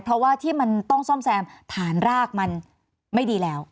เพราะว่าที่มันต้องซ่อมแซมฐานรากมันไม่ดีแล้ว